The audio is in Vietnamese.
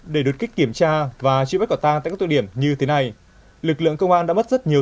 để đột kích kiểm tra và truy bắt quả tang tại các tụ điểm như thế này lực lượng công an đã mất rất nhiều